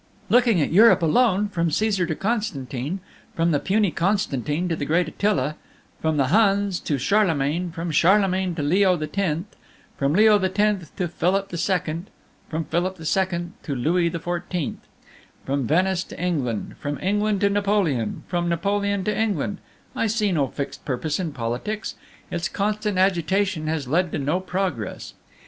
"Looking at Europe alone, from Caesar to Constantine, from the puny Constantine to the great Attila, from the Huns to Charlemagne, from Charlemagne to Leo X., from Leo X., to Philip II., from Philip II. to Louis XIV.; from Venice to England, from England to Napoleon, from Napoleon to England, I see no fixed purpose in politics; its constant agitation has led to no progress.